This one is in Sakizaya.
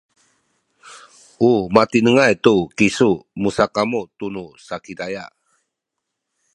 u matinengay tu kisu musakamu tunu Sakizaya